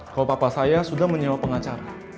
kalau papa saya sudah menyewa pengacara